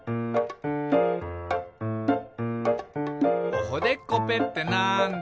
「おほでっこぺってなんだ？」